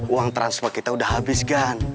uang transfer kita udah habis gan